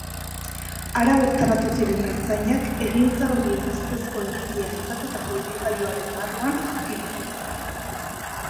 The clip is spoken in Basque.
Hara bertaratu ziren ertzainak egintza horien ustezko egilea aipatutako ibilgailuaren barruan aurkitu zuten.